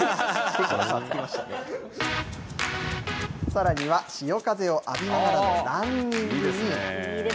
さらには、潮風を浴びながらのランニングに。